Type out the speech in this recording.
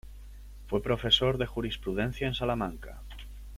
Fue profesor de jurisprudencia en Salamanca.